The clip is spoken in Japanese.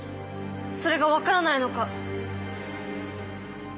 それが分からないのか」。